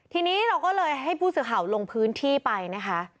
ทีนี้เราก็เลยให้ผู้สื่อข่าวลงพื้นที่ไปนะคะ